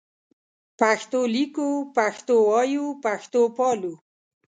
پښتو لیکو پښتو وایو پښتو پالو